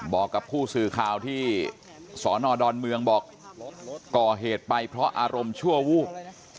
บอกกับผู้สื่อข่าวที่สอนอดอนเมืองบอกก่อเหตุไปเพราะอารมณ์ชั่ววูบ